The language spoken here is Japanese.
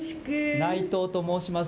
内藤と申します。